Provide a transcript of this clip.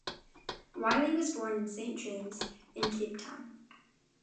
Wiley was born at St James in Cape Town.